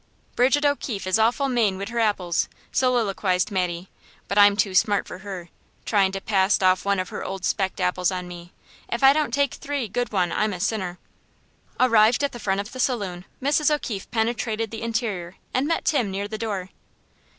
"Bridget O'Keefe is awful mane wid her apples!" soliloquized Mattie, "but I'm too smart for her. Tryin' to pass off one of her old specked apples on me! If I don't take three good one I'm a sinner." Arrived at the front of the saloon, Mrs. O'Keefe penetrated the interior, and met Tim near the door.